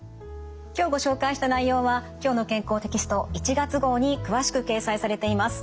今日ご紹介した内容は「きょうの健康」テキスト１月号に詳しく掲載されています。